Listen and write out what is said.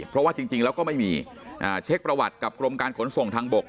เพราะว่าจริงแล้วก็ไม่มีเช็คประวัติกับกรมการขนส่งทางบก